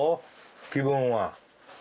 気分は。